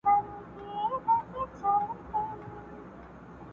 وروسته د کيسې اصلي روايت پيل کيږي او حالت نور هم سختيږي